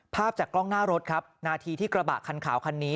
ภาพจากกล้องหน้ารถครับนาทีที่กระบะคันขาวคันนี้